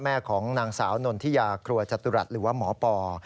แม่ของนางสาวนนทิยาครัวจตุรัสหรือว่าหมอปอ